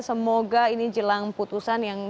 semoga ini jelang putusan yang